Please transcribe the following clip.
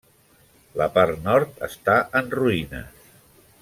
La part nord està en ruïnes.